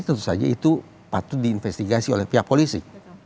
tentu saja itu patut diinvestigasi oleh pihak polisi